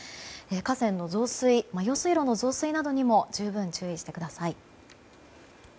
河川の増水用水路の増水などにも十分、注意してください。